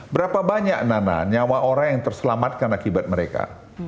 berapa banyak nana nyawa orang yang terselamatkan akibat mereka